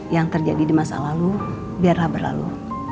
yang terjadi di masa lalu biarlah berlalu